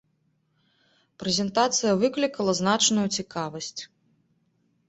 Прэзентацыя выклікала значную цікавасць.